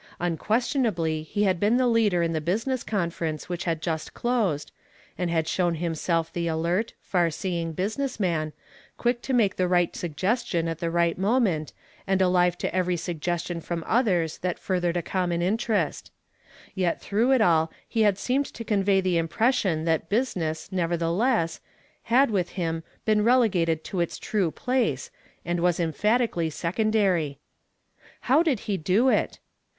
Un (piestionably he had been the leader in the busi ness conference which had just closed, and had shown himself the alert, far seeing business man, (piick to inake the right suggestion at the right moment, and alive to every suggestion from othere tliat furthered a common interest ; yet through it all he had seemed to convey the imi)ression that business, nevertheless, had with him been relegated to its true place, and was emphatically secondary. How did he do it?